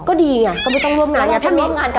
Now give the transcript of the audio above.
ก็ดีเนี่ยก็ไม่ต้องร่วมงานกับใคร